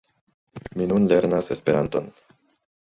Mi nun lernas Esperanton.